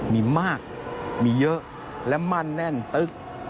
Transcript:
มีมากมีเยอะและมั่นแน่นตึ๊ก